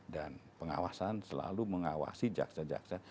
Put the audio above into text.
dan pengawasan selalu mengawasi jaksa jaksa